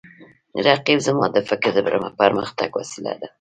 رقیب زما د فکر د پرمختګ وسیله ده